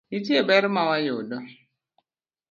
nitie ber ma wayudo.